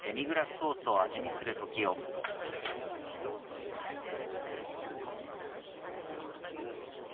昨夜クリングル号記念公園で男性が血を流して倒れているのが見つかりました。